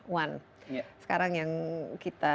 wan sekarang yang kita